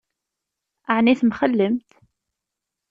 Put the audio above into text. Ɛni temxellemt?